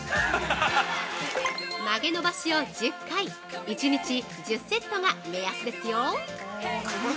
◆曲げ伸ばしを１０回１日１０セットが目安ですよ。